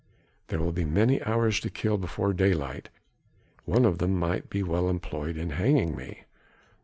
There will be many hours to kill before daylight, one of them might be well employed in hanging me."